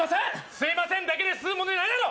すいませんだけですむ問題じゃないだろ